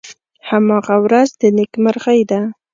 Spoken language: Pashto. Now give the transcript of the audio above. هماغه ورځ د نیکمرغۍ ده .